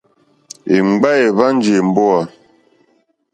Èmgbâ èhwánjì èmbówà.